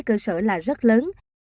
cơ sở là rất lớn